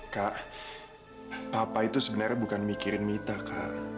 kak papa itu sebenarnya bukan mikirin mita kak